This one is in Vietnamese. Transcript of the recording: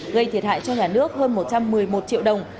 gây thiệt hại cho nhà nước hơn một trăm một mươi một triệu đồng